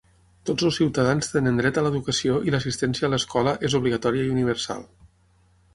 Tots els ciutadans tenen dret a l'educació i l'assistència a l'escola és obligatòria i universal.